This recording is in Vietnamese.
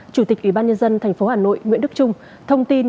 chủ tịch ủy ban nhân dân tp hà nội nguyễn đức trung thông tin